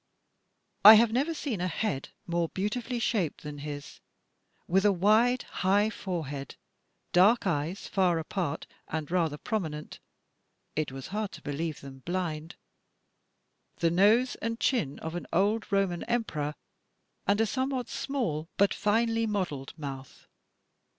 I have never seen a head more beautifully shaped than his, with a wide, high forehead, dark eyes far apart and rather prominent — it was hard to believe them blind — the nose and chin of an old Roman Emperor, and a somewhat small but finely modelled mouth.